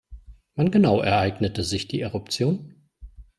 Wann genau ereignete sich die Eruption?